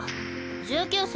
１９歳。